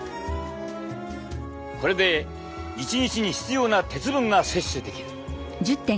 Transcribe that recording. これで１日に必要な鉄分が摂取できる。